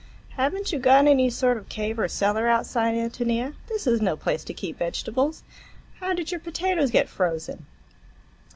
"Have n't you got any sort of cave or cellar outside, Ántonia? This is no place to keep vegetables. How did your potatoes get frozen?"